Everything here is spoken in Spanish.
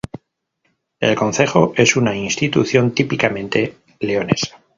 El concejo es una institución típicamente leonesa.